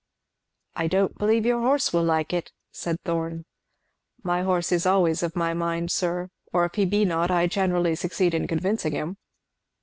"I don't believe your horse will like it," said Thorn. "My horse is always of my mind, sir; or if he be not I generally succeed in convincing him."